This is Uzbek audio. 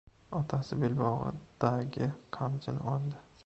Otasi belbog‘idagi qamchini oldi.